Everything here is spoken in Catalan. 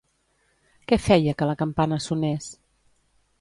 Què feia que la campana sonés?